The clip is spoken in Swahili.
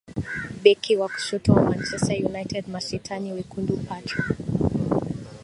beki wa kushoto wa manchester united mashetani wekundu patri